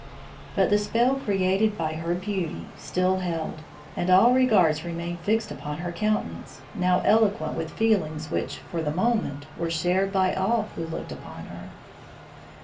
But the spell created by her beauty still held, and all regards remained fixed upon her countenance, now eloquent with feelings which for the moment were shared by all who looked upon her.